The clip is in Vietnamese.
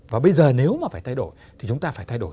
và bây giờ nếu mà phải thay đổi thì chúng ta phải thay đổi